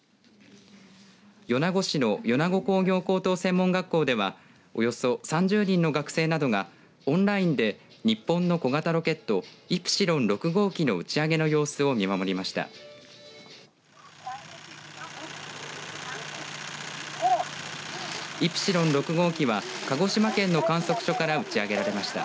米子市の米子工業高校専門学校ではおよそ３０人の学生などがオンラインで日本の小型ロケットイプシロン６号機の打ち上げの様子を見守りました。